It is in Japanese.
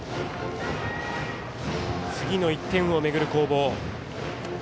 次の１点を巡る攻防。